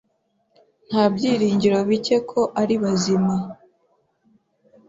Nta byiringiro bike ko ari bazima.